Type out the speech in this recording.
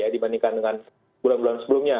dibandingkan dengan bulan bulan sebelumnya